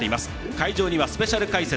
会場にはスペシャル解説